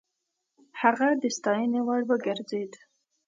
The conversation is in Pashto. هغه د ستاينې وړ وګرځېد.